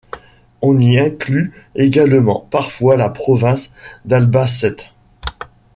On y inclut également parfois la province d'Albacete.